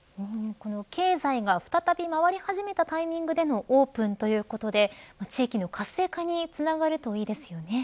経済が再び回り始めたタイミングでのオープンということで地域の活性化につながるといいですよね。